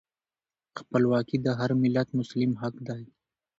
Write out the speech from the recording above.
خپلواکي د هر ملت مسلم حق دی.